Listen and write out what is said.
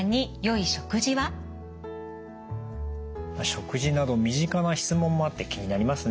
食事など身近な質問もあって気になりますね。